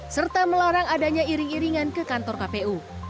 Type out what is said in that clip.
serta melarang adanya iring iringan ke kantor kpu